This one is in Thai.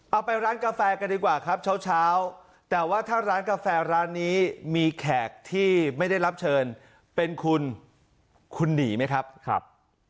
เอาไปร้านกาแฟกันดีกว่าครับเช้าแต่ว่าถ้าร้านกาแฟร้านนี้มีแขกที่ไม่ได้รับเชิญเป็นคุณคุณหนีไหมครับ